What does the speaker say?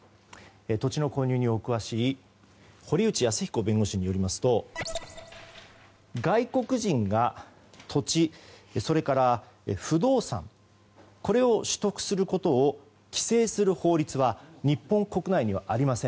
土地の購入にお詳しい堀内恭彦弁護士によりますと外国人が土地、それから不動産これを取得することを規制する法律は日本国内にはありません。